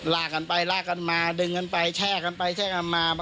ลากกันไปลากกันมาดึงกันไปแช่กันไปแช่กันมา